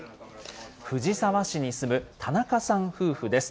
藤沢市に住む田中さん夫婦です。